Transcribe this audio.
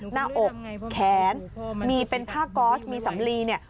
หน้าอกแขนมีเป็นผ้าก๊อสมีสำลีเนี่ย